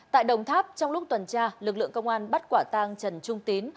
tại đồng tháp trong lúc tuần tra lực lượng công an bắt quả tang trần trung tín